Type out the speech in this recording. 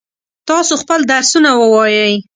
تاسو خپل درسونه ووایئ.